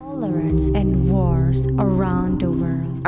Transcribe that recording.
toleransi dan perang di seluruh dunia